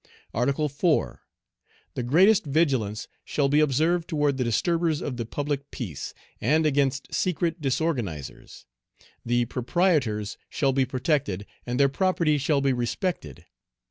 "Article 4. The greatest vigilance shall be observed toward the disturbers of the public peace, and against secret disorganizers; the proprietors shall be protected, and their property shall be respected.